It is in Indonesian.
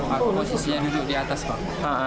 aku posisinya duduk di atas pak